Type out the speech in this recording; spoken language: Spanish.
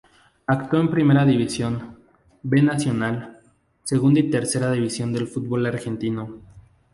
Actuó en Primera División, "B" Nacional, Segunda y Tercera división del Fútbol Argentino.